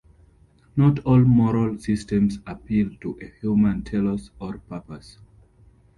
Not all moral systems appeal to a human telos or purpose.